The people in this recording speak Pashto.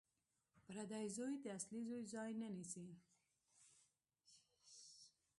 پردی زوی د اصلي زوی ځای نه نیسي